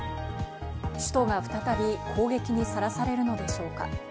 首都が再び攻撃にさらされるのでしょうか。